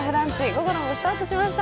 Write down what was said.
午後の部スタートしました。